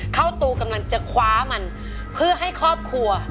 เข้าตูกำลังจะคว้ามันเพื่อให้ครอบครัว